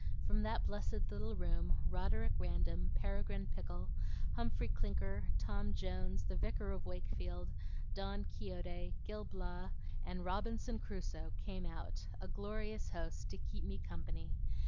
From that blessed little room, Roderick Random, Peregrine Pickle, Humphrey Clinker, Tom Jones, the Vicar of Wakefield, Don Quixote, Gil Blas, and Robinson Crusoe, came out, a glorious host, to keep me company.